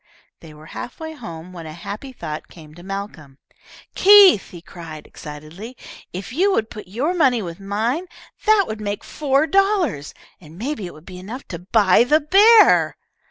They were half way home when a happy thought came to Malcolm. "Keith," he cried, excitedly, "if you would put your money with mine, that would make four dollars, and maybe it would be enough to buy that bear!"